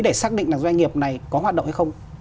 để xác định là doanh nghiệp này có hoạt động hay không